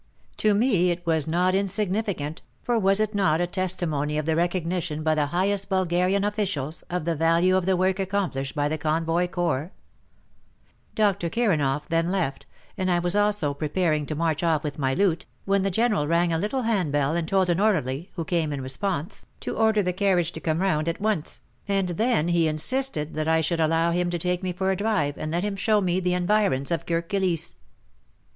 To me it was not insignificant, for was it not a testimony of the recognition by the highest Bulgarian officials, of the value of the work accomplished by the Convoy Corps ? Dr. Kiranoff then left, and I was also pre paring to march off with my loot, when the General rang a little hand bell and told an orderly, who came in response, to order the 158 WAR AND WOMEN carriage to come round at once, and then he insisted that I should allow him to take me for a drive and let him show me the environs of Kirk Kilisse.